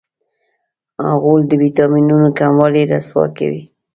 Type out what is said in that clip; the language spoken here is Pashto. غول د وېټامینونو کموالی رسوا کوي.